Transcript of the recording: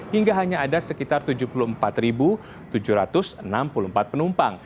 hingga hanya ada sekitar tujuh puluh empat tujuh ratus enam puluh empat penumpang